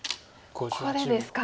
ここでですか。